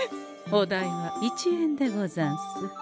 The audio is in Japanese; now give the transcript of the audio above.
お代は１円でござんす。